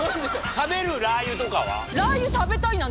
食べるラー油とかは？